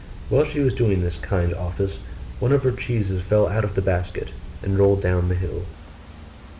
While she was doing this kind office one of her cheeses fell out of the basket, and rolled down the hill.